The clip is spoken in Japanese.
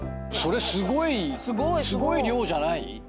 それすごいすごい量じゃない？